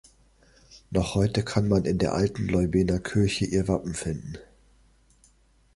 Noch heute kann man in der alten Leubener Kirche ihr Wappen finden.